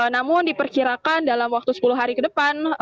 namun diperkirakan dalam waktu sepuluh hari ke depan